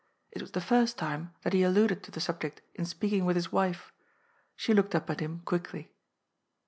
It was the first time that he alluded to the subject in speaking with, his wife. She looked up at him quickly.